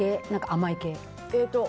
甘い系？